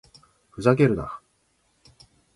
ふざけるな